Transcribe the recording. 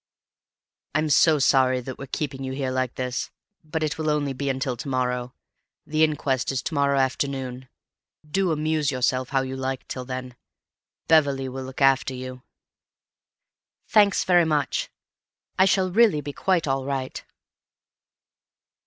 "I'm so sorry that we're keeping you here like this, but it will only be until to morrow. The inquest is to morrow afternoon. Do amuse yourself how you like till then. Beverley will look after you." "Thanks very much. I shall really be quite all right."